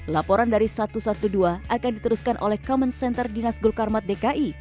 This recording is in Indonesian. laporan dari satu ratus dua belas akan diteruskan oleh common center dinas gulkarmat dki